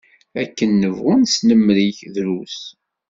Akken nebɣu nesnemmer-ik, drus.